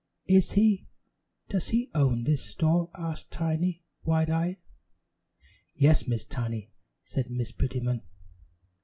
"Is he? Does he own this store?" asked Tiny, wide eyed. "Yes, Miss Tiny," said Miss Prettyman.